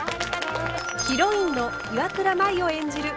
ヒロインの岩倉舞を演じる